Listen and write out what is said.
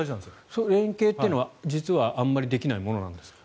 その連携というのは実はあまりできないものなんですか？